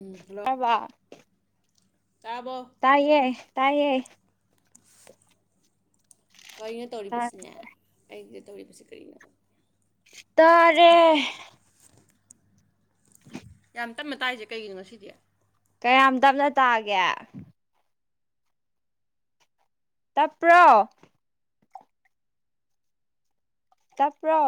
ꯎꯝ hello ꯇꯥꯔꯕꯣ ꯇꯥꯏꯌꯦꯌꯦ ꯇꯥꯏꯌꯦꯌꯦ ꯀꯩꯅꯣ ꯇꯧꯔꯤꯕꯁꯤꯅꯦ ꯑꯩ ꯇꯧꯔꯤꯕꯁꯤ ꯀꯔꯤꯅꯣ ꯇꯔꯦ [unintelligible] ꯌꯥꯝ ꯇꯅ ꯇꯥꯏꯁꯦ ꯀꯩꯒꯤꯅꯣ ꯉ ꯁꯤꯗꯤ ꯀꯌꯥꯝ ꯇꯞꯅ ꯇꯥꯒꯦ ꯇꯄ꯭ꯔꯣ ꯇꯄ꯭ꯔꯣ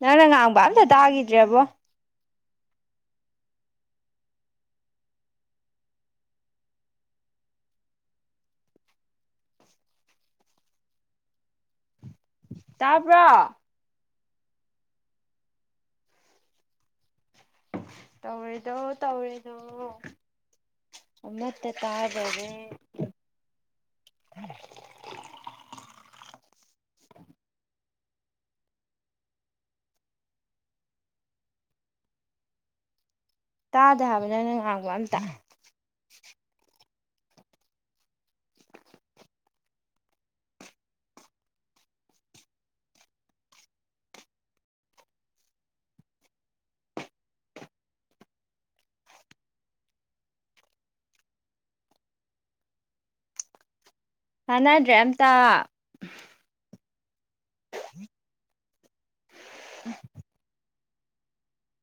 ꯅꯪꯅ ꯉꯥꯡꯕ ꯑꯝꯇ ꯇꯥꯈꯤꯗ꯭ꯔꯦꯕꯣ ꯇꯄ ꯇꯧꯔꯤꯗꯣ ꯇꯧꯔꯤꯗꯣ ꯑꯃꯠꯇ ꯇꯥꯕꯔꯦ ꯇꯥꯗ ꯍꯥꯏꯕꯅꯦ ꯅꯪ ꯑꯒꯕ ꯑꯝꯇ ꯀꯥꯟꯅꯗ꯭ꯔꯦ ꯑꯝꯇ